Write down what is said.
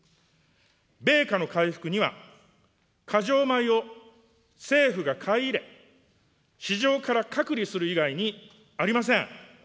米価の回復には、過剰米を政府が買い入れ、市場から隔離する以外にありません。